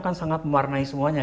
kan sangat mewarnai semuanya